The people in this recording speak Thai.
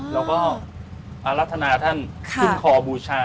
แล้วก็อารัฐนาท่านขึ้นคอบูชา